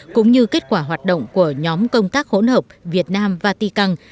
cũng như kết quả hoạt động của nhóm công tác hỗn hợp việt nam vatican